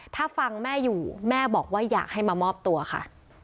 ถ้าฟังแม่อยู่แม่บอกว่าอยากให้มามอบตัวค่ะ